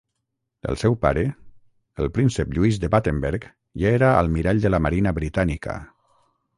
El seu pare, el príncep Lluís de Battenberg ja era almirall de la marina britànica.